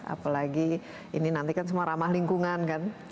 apalagi ini nanti kan semua ramah lingkungan kan